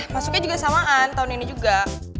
masuknya juga samaan tahun ini juga